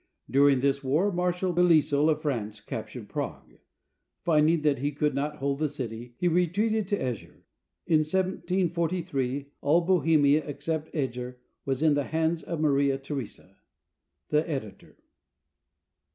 During this war, Marshal Belleisle of France captured Prague. Finding that he could not hokd the city, he retreated to Eger. In 1743, all Bohemia except Eger was in the hands of Maria Theresa. The Editor.